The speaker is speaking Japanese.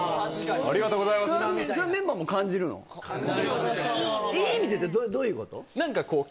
・確かにいい意味でってどういうこと？